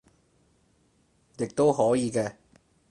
亦都可以嘅